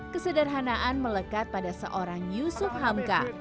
kesederhanaan melekat pada seorang yusuf hamka